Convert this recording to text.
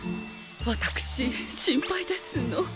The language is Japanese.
私心配ですの。